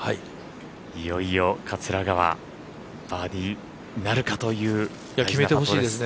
いよいよ桂川バーディーなるかというところです。